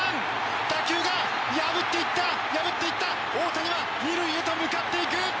打球が破っていった破っていった大谷は２塁へと向かっていく！